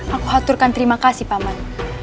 aku haturkan terima kasih paman